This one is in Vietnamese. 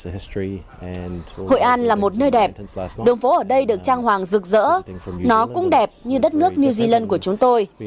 hội an là một nơi đẹp đường phố ở đây được trang hoàng rực rỡ nó cũng đẹp như đất nước new zealand của chúng tôi